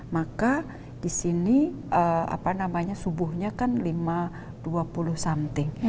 maka di sini apa namanya subuhnya kan lima dua puluh something